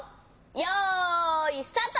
よいスタート！